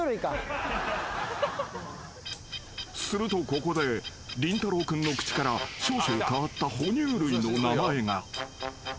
［するとここでりんたろう君の口から少々変わった哺乳類の名前が］